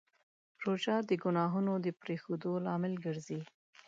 روژه د ګناهونو د پرېښودو لامل ګرځي.